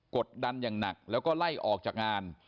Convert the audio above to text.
กดดันอย่างหนักแล้วก็ไล่ออกจากงาน